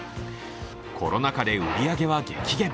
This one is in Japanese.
コロナ禍で売り上げは激減。